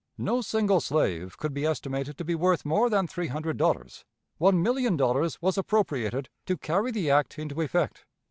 No single slave could be estimated to be worth more than three hundred dollars. One million dollars was appropriated to carry the act into effect.